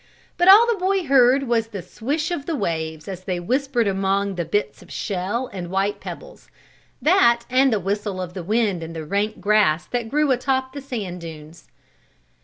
But all the boy heard was the swish of the waves as they whispered among the bits of shell and white pebbles that and the whistle of the wind in the rank grass that grew atop the sand dunes.